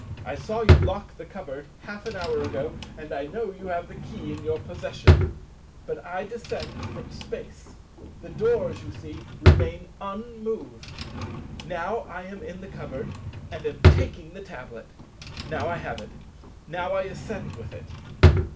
I saw you lock the cupboard half an hour ago, and I know you have the key in your possession. But I descend from Space; the doors, you see, remain unmoved. Now I am in the cupboard and am taking the tablet. Now I have it. Now I ascend with it.